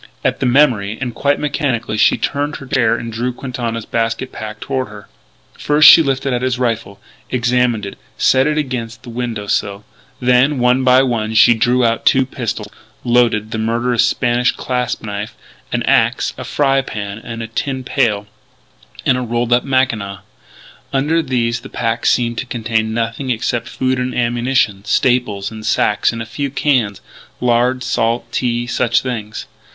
At the memory, and quite mechanically, she turned in her chair and drew Quintana's basket pack toward her. First she lifted out his rifle, examined it, set it against the window sill. Then, one by one, she drew out two pistols, loaded; the murderous Spanish clasp knife; an axe; a fry pan and a tin pail, and the rolled up mackinaw. Under these the pack seemed to contain nothing except food and ammunition; staples in sacks and a few cans lard, salt, tea such things.